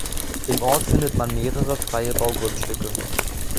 Im Ort findet man mehrere freie Baugrundstücke.